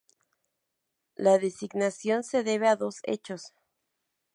La designación se debe a dos hechos.